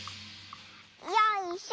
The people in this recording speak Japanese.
「よいしょ。